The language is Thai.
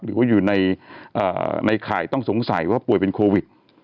หรือว่าอยู่ในข่ายต้องสงสัยว่าป่วยเป็นโควิด